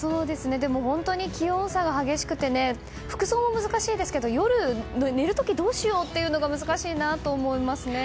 でも、本当に気温差が激しくて服装も難しいけど夜、寝る時服装をどうしようというのが難しいなと思いますね。